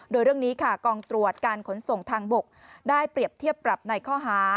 โดยเรื่องนี้ค่ะกองตรวจการขนส่งทางบกได้เปรียบเทียบปรับในข้อหา